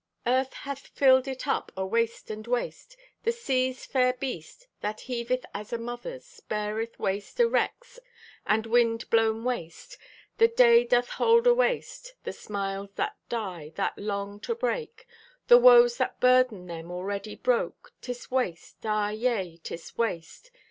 Earth hath filled it up o' waste and waste. The sea's fair breast, that heaveth as a mother's, Beareth waste o' wrecks and wind blown waste. The day doth hold o' waste. The smiles that die, that long to break, The woes that burden them already broke, 'Tis waste, ah yea, 'tis waste.